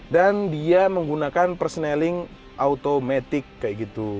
dan dia menggunakan perseneling automatic kayak gitu